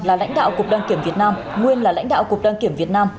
là lãnh đạo cục đăng kiểm việt nam nguyên là lãnh đạo cục đăng kiểm việt nam